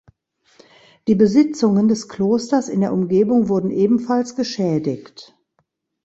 Die Besitzungen des Klosters in der Umgebung wurden ebenfalls geschädigt.